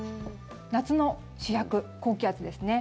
夏の主役、高気圧ですね。